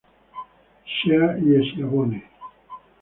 Shea y Schiavone.